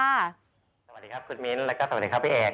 สวัสดีครับคุณมิ้นแล้วก็สวัสดีครับพี่เอก